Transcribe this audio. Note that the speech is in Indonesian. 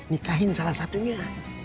nikahin salah satunya